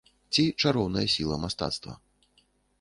Ці чароўная сіла мастацтва.